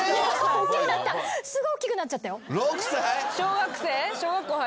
おっきくなっちゃったよ。